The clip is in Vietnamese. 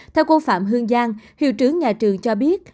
theo cô phạm hương giang hiệu trưởng nhà trường cho biết